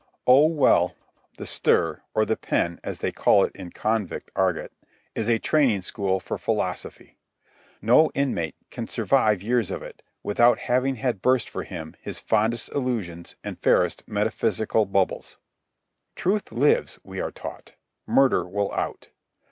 Oh, well, the stir, or the pen, as they call it in convict argot, is a training school for philosophy. No inmate can survive years of it without having had burst for him his fondest illusions and fairest metaphysical bubbles. Truth lives, we are taught; murder will out.